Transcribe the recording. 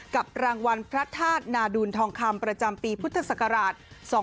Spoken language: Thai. กับรางวัลพระธาตุนาดูลทองคำประจำปีพุทธศักราช๒๕๖